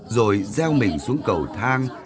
rồi reo mình xuống cầu thang